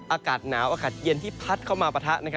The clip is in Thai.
อากาศหนาวอากาศเย็นที่พัดเข้ามาปะทะ